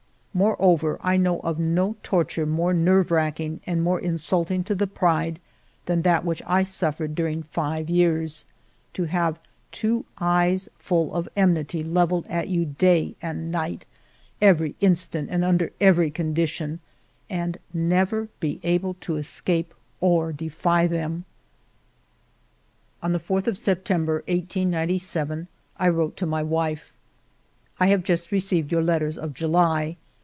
Moreover, I know of no torture more nerve racking and more insulting to the pride than that which I suffered during five years, — ^to have two eyes full of enmity levelled at you day and night, every instant and under every condition, and never to be able to escape or defy them ! 256 FIVE YEARS OF MY LIFE On the 4th of September, 1897, I wrote to my wi fe: " I have just received your letters of July.